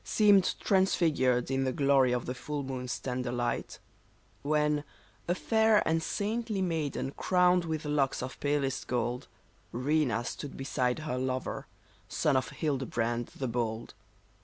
Seemed transfigured in the glory of the full moon's tender light, When, a fair and saintly maiden crowned with locks of palest gold, Rena stood beside her lover, son of Hildebrand the Bold.